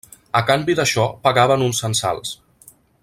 A canvi d’això pagaven uns censals.